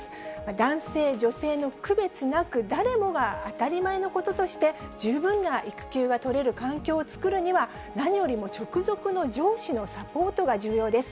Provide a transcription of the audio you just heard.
男性、女性の区別なく、誰もが当たり前のこととして十分な育休が取れる環境を作るには、何よりも直属の上司のサポートが重要です。